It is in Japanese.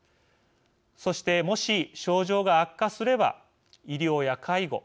そして、もし症状が悪化すれば医療や介護